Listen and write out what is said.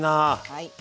はい。